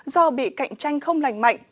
do bị cạnh tranh không lành mạnh